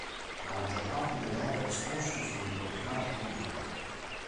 La maggior parte delle opere esposte sono di proprietà del comune.